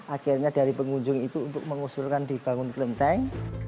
akhirnya dari pengunjung itu untuk mengusulkan dibangun kelenteng